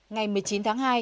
ngày một mươi chín tháng hai